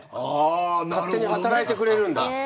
勝手に働いてくれるんだ。